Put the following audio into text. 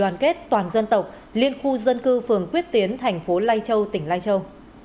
đoàn kết toàn dân tộc liên khu dân cư phường quyết tiến thành phố lai châu tỉnh lai châu